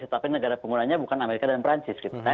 tetapi negara penggunanya bukan amerika dan perancis